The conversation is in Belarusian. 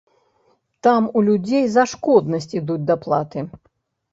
Там у людзей за шкоднасць ідуць даплаты.